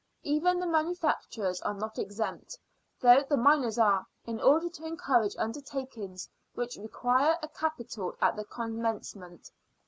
Even the manufacturers are not exempted, though the miners are, in order to encourage undertakings which require a capital at the commencement.